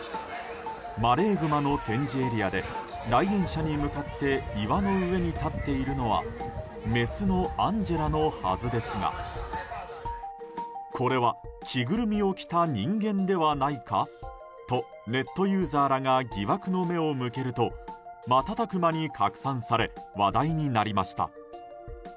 マレーグマの展示エリアで来園者に向かって岩の上に立っているのはメスのアンジェラのはずですがこれは着ぐるみを着た人間ではないか？とネットユーザーらが疑惑の目を向けると瞬く間に拡散され話題になりました。